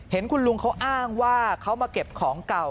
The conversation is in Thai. เห็นคุณลุงเขาอ้างว่าเขามาเก็บของเก่า